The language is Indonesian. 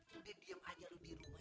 udah diem aja lo dirumah